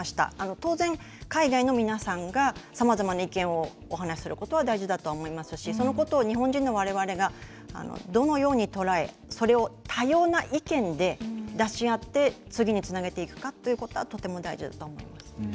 当然、海外の皆さんがさまざまな意見をお話することは大事だとは思いますしそのことを日本人のわれわれがどのように捉えそれを多様な意見で出し合って次につなげていくかということはとても大事だと思います。